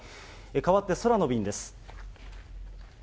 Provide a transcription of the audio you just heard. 変わって空の便です。